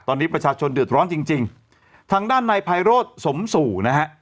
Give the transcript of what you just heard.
ตอนนี้ประชาชนเดือดร้อนจริงจริงทางด้านนายไพโรธสมสู่นะฮะ